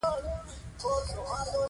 هغه بېچاره یې په تیارې کې پرېښود.